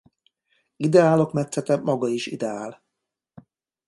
Ideálok metszete maga is ideál.